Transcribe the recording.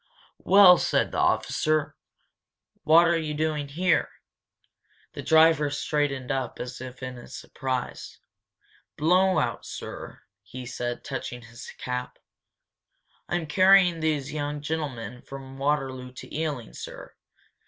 "Well," said the officer, "what are you doing here?" The driver straightened up as if in surprise. "Blow out, sir," he said, touching his cap. "I'm carrying these young gentlemen from Waterloo to Ealing, sir.